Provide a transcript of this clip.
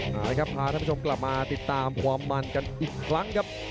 พาท่านผู้ชมกลับมาติดตามความมั่นกันอีกครั้งครับ